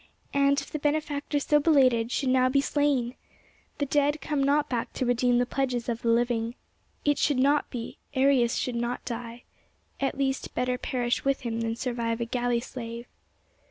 And if the benefactor so belated should now be slain! The dead come not back to redeem the pledges of the living. It should not be—Arrius should not die. At least, better perish with him than survive a galley slave.